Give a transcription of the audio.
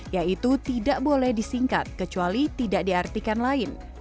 yaitu tidak boleh disingkat kecuali tidak diartikan lain